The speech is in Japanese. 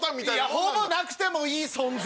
ほぼなくてもいい存在。